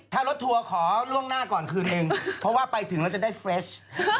ถ้ารถทัวร์ขอล่วงหน้าก่อนคืนนึงเพราะว่าไปถึงแล้วจะได้เฟรช